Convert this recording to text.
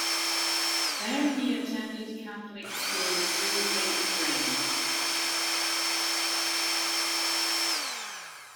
There, he attended Catholic school through eighth grade.